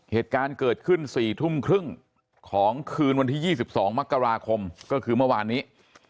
เหตุการณ์เกิดขึ้น๔ทุ่มครึ่งของคืนวันที่๒๒มกราคมก็คือเมื่อวานนี้